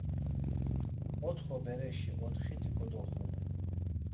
Otxo bereşi otxiti kodoxunu.